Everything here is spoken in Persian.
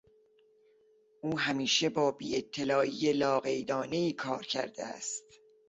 او همیشه با بیاطلاعی لاقیدانهای کار کرده است.